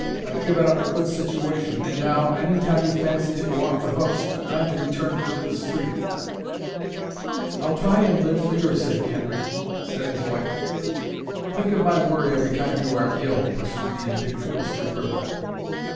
I've given up a good situation, and now, any time you fancy to go off the hooks, I'm to be turned into the street." "I'll try and live, for your sake, Henry," said his wife. "Think of my worry every time you are ill," pursued the indignant Mr. Gribble.